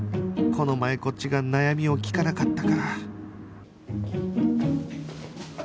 この前こっちが悩みを聞かなかったから